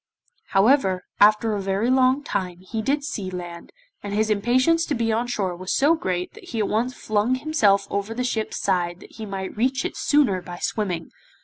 However, after a very long time, he did see land, and his impatience to be on shore was so great that he at once flung himself over the ship's side that he might reach it sooner by swimming.